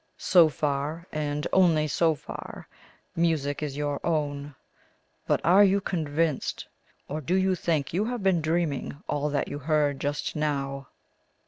So far, and only so far, music is your own. But are you convinced? or do you think you have been dreaming all that you heard just now?"